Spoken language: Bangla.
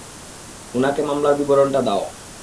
উনাকে মামলার বিবরণটা দাও।